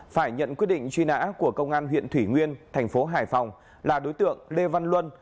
phải nhận quyết định truy nã của công an huyện thủy nguyên thành phố hải phòng là đối tượng lê văn luân